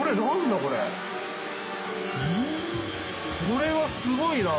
これはすごいな！